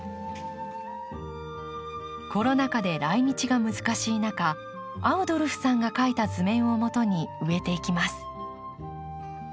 コロナ禍で来日が難しい中アウドルフさんが描いた図面をもとに植えていきます。